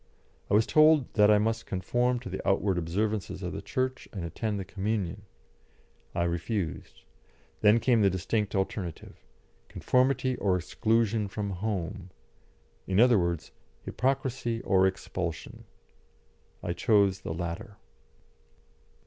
I was told that I must conform to the outward observances of the Church, and attend the Communion; I refused. Then came the distinct alternative; conformity or exclusion from home in other words, hypocrisy or expulsion. I chose the latter.